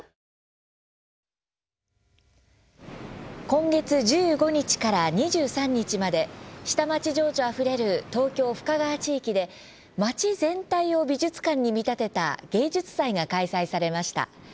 今月１５日から２３日まで下町情緒あふれる東京・深川地域で街全体を美術館に見立てた芸術祭が開催されました。